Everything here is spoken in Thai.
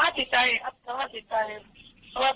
มันก็ไปละแล้วทางฆ่าร้าศักดาลเงินก็ไม่มีเงินหรอครับ